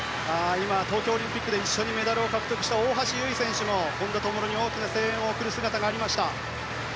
東京オリンピックで一緒にメダルを獲得した大橋悠依選手も本多灯に、大きな声援を送る姿がありました。